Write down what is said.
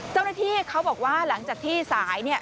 เจ้าหน้าที่เขาบอกว่าหลังจากที่สายเนี่ย